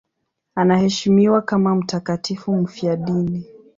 Anaheshimiwa kama mtakatifu mfiadini.